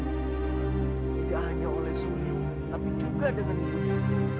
tidak hanya oleh suli tapi juga dengan ibu